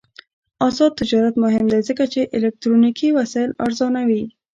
آزاد تجارت مهم دی ځکه چې الکترونیکي وسایل ارزانوي.